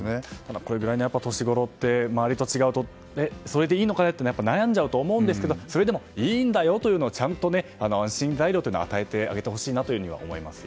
こういう年頃って周りと違うとそれでいいのかなと悩んじゃうと思うんですがそれでもいいんだよということでちゃんと安心材料を与えてあげてほしいと思います。